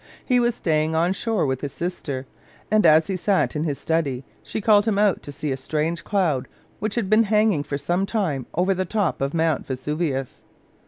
He was staying on shore with his sister; and as he sat in his study she called him out to see a strange cloud which had been hanging for some time over the top of Mount Vesuvius.